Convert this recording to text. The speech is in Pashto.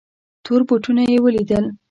تور بوټونه یې ولیدل.